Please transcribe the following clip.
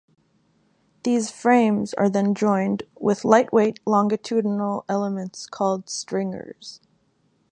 These frames are then joined with lightweight longitudinal elements called stringers.